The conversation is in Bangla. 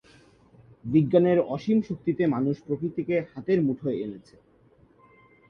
বিজ্ঞানের অসীম শক্তিতে মানুষ প্রকৃতিকে হাতের মুঠোয় এনেছে।